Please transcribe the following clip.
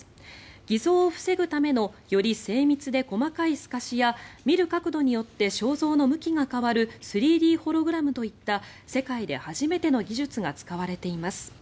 偽造を防ぐためのより精密で細かい透かしや見る角度によって肖像の向きが変わる３Ｄホログラムといった世界で初めての技術が使われています。